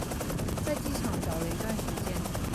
在機場找了一段時間